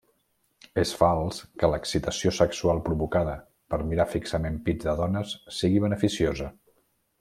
És fals que l'excitació sexual provocada per mirar fixament pits de dones siga beneficiosa.